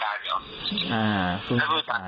เข้าไม่ได้ก็เลยให้ผมไป